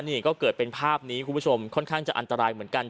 นี่ก็เกิดเป็นภาพนี้คุณผู้ชมค่อนข้างจะอันตรายเหมือนกัน